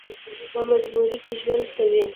په مجبورۍ کې ژوند کوي.